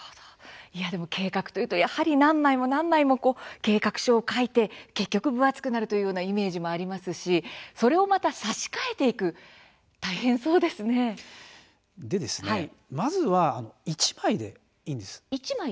計画というとやはり何枚も何枚も計画書を書いて、結局分厚くなるというようなイメージがありますしそれをまた差し替えていくまずは１枚でいいんです。